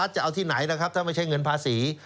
จะเอาที่ไหนนะครับถ้าไม่ใช่เงินภาษี